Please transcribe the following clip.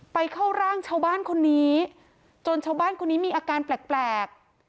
เข้าร่างชาวบ้านคนนี้จนชาวบ้านคนนี้มีอาการแปลก